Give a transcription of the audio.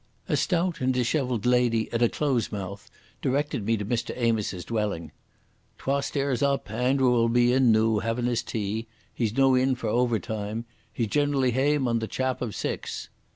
A stout and dishevelled lady at a close mouth directed me to Mr Amos's dwelling. "Twa stairs up. Andra will be in noo, havin' his tea. He's no yin for overtime. He's generally hame on the chap of six."